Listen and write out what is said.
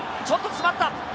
ちょっと詰まった。